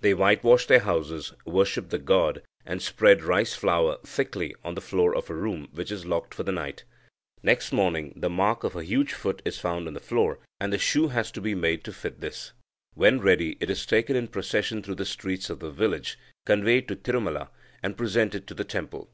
They whitewash their houses, worship the god, and spread rice flour thickly on the floor of a room, which is locked for the night. Next morning the mark of a huge foot is found on the floor, and the shoe has to be made to fit this. When ready, it is taken in procession through the streets of the village, conveyed to Tirumala, and presented to the temple.